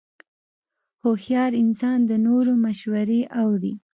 هوښیار انسان د نورو مشورې اوري.